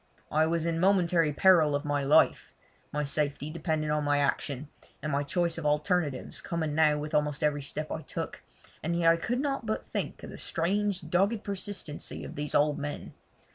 I was in momentary peril of my life: my safety depended on my action, and my choice of alternatives coming now with almost every step I took, and yet I could not but think of the strange dogged persistency of these old men.